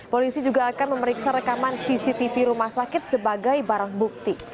polisi juga akan memeriksa rekaman cctv rumah sakit sebagai barang bukti